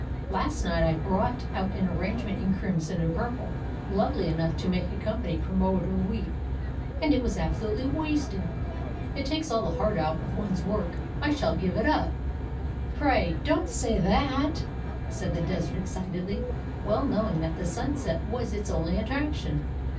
Last night I brought out an arrangement in crimson and purple, lovely enough to make a company promoter weep, and it was absolutely wasted. It takes all the heart out of one's work. I shall give it up." "Pray don't say that," said the Desert excitedly, well knowing that the Sunset was its only attraction.